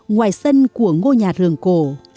ngoài sân của ngôi nhà rường cổ